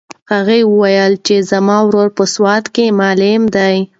هغې وویل چې زما ورور په سوات کې معلم دی.